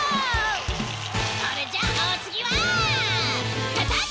「それじゃあお次は叩け！」